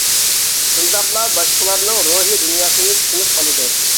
شۇنداقلا باشقىلارنىڭ روھى دۇنياسىنى چۈشىنىپ قالىدۇ.